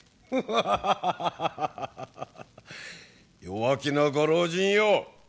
弱気なご老人よ！